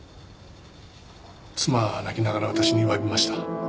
妻は泣きながら私に詫びました。